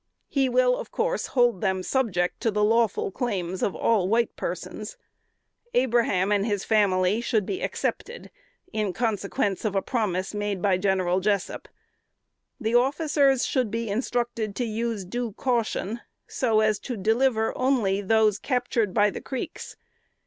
He will, of course, hold them subject to the lawful claims of all white persons. Abraham and his family should be excepted, in consequence of a promise made by General Jessup. The officers should be instructed to use due caution, so as to deliver only those captured by the Creeks.